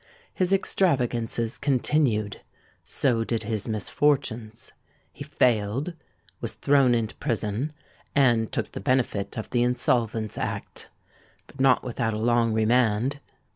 His extravagances continued: so did his misfortunes. He failed, was thrown into prison, and took the benefit of the Insolvents' Act—but not without a long remand.